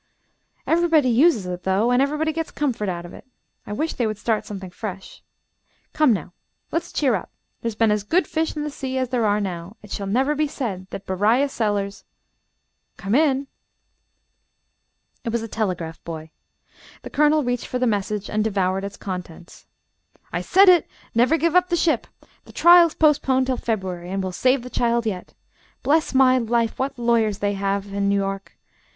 Everybody uses it, though, and everybody gets comfort out of it. I wish they would start something fresh. Come, now, let's cheer up; there's been as good fish in the sea as there are now. It shall never be said that Beriah Sellers Come in?" It was the telegraph boy. The Colonel reached for the message and devoured its contents: "I said it! Never give up the ship! The trial's postponed till February, and we'll save the child yet. Bless my life, what lawyers they have in New York!